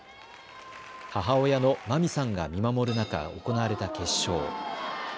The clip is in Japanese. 母親のマミさんが見守る中、行われた決勝。